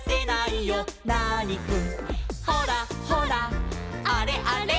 「ほらほらあれあれ」